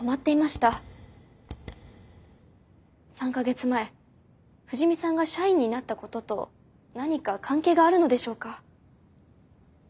３か月前藤見さんが社員になったことと何か関係があるのでしょうか？